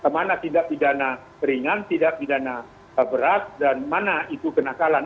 mana tindak pidana ringan tindak pidana berat dan mana itu kenakalan